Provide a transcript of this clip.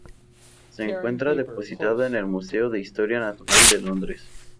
Se encuentra depositada en el Museo de Historia Natural de Londres.